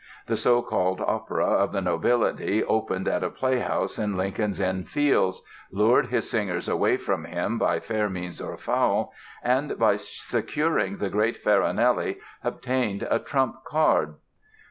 The so called Opera of the Nobility opened at a playhouse in Lincoln's Inn Fields, lured his singers away from him by fair means or foul, and by securing the great Farinelli obtained a trump card.